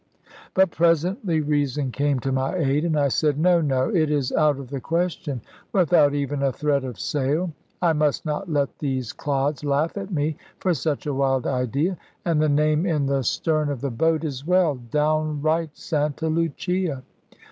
But presently reason came to my aid; and I said, "No, no; it is out of the question; without even a thread of sail! I must not let these clods laugh at me for such a wild idea. And the name in the stern of the boat as well, downright 'Santa Lucia!'